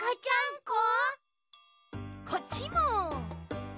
こっちも。